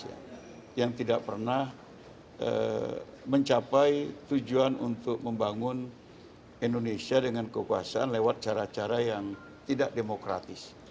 yang tidak pernah mencapai tujuan untuk membangun indonesia dengan kekuasaan lewat cara cara yang tidak demokratis